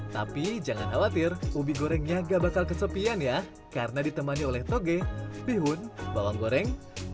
tapi jangan khawatir ubi gorengnya gak bakal kesepian ya karena ditemani oleh toge bihun bawang goreng